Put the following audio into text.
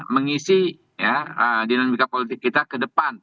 mengisi dinamika politik kita ke depan